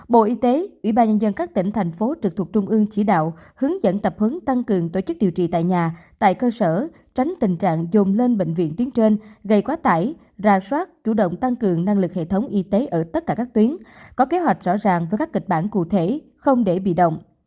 bộ y tế ủy ban nhân dân các tỉnh thành phố trực thuộc trung ương chỉ đạo hướng dẫn tập hướng tăng cường tổ chức điều trị tại nhà tại cơ sở tránh tình trạng dồn lên bệnh viện tuyến trên gây quá tải ra soát chủ động tăng cường năng lực hệ thống y tế ở tất cả các tuyến có kế hoạch rõ ràng với các kịch bản cụ thể không để bị động